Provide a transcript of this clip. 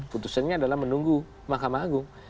putusannya adalah menunggu mahkamah agung